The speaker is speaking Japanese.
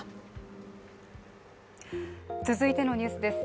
続いてのニュースです。